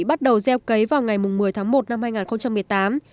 bắt đầu gieo cấy vào ngày một mươi tháng một năm hai nghìn một mươi tám